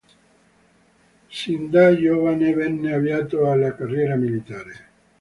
Sin da giovane venne avviato alla carriera militare.